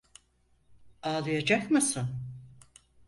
Ağlayacak mısın?